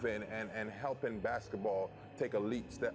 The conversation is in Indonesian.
saya adalah pemain basket profesional